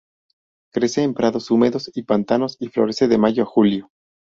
Crece en prados húmedos y pantanos y florece de mayo a julio.